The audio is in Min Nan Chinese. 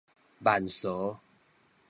慢趖